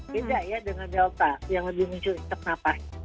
beda ya dengan delta yang lebih muncul sesak nafas